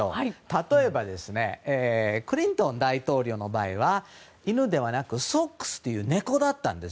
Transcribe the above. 例えばクリントン大統領の場合は犬ではなくソックスという猫だったんです。